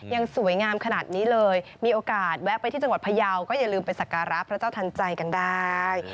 ยังสวยงามขนาดนี้เลยมีโอกาสแวะไปที่จังหวัดพยาวก็อย่าลืมไปสักการะพระเจ้าทันใจกันได้